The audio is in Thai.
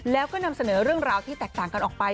แล้วก็นำเสนอเรื่องราวที่แตกต่างกันออกไป